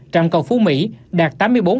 trạm cầu phú mỹ đạt tám mươi bốn hai mươi tám